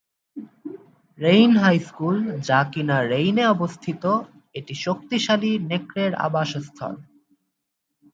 Rain high school, যা কিনা রেইনে অবস্থিত, এটি শক্তিশালী নেকড়ের আবাসস্থল।